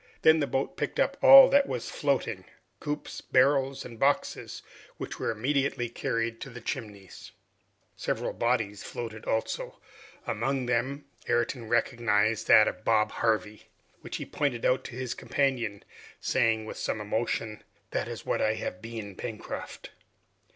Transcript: Then the boat picked up all that was floating, coops, barrels, and boxes, which were immediately carried to the Chimneys. Several bodies floated also. Among them, Ayrton recognized that of Bob Harvey, which he pointed out to his companion, saying with some emotion, "That is what I have been, Pencroft."